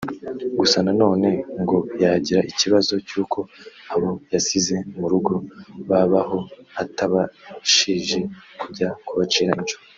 Gusa na none ngo yagira ikibazo cy’uko abo yasize mu rugo babaho atabashije kujya kubacira inshuro